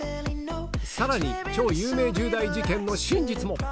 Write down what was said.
さらに、超有名重大事件の真実も。